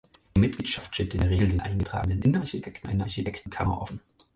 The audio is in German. Die Mitgliedschaft steht in der Regel den eingetragenen Innenarchitekten einer Architektenkammer offen.